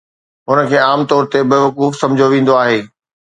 هن کي عام طور تي بيوقوف سمجهيو ويندو آهي.